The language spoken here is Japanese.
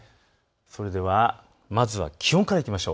それではまず気温からです。